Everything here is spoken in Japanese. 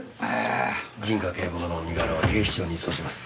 陣川警部補の身柄は警視庁に移送します。